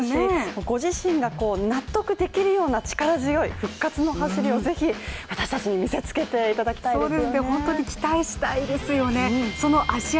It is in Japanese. ご自身が納得できるような力強い復活の走りをぜひ私たちに見せつけていただきたいですよね。